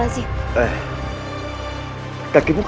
aku juga akan membantu